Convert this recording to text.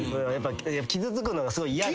傷つくのがすごい嫌で。